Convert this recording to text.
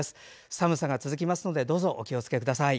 寒さが続きますのでどうぞお気をつけください。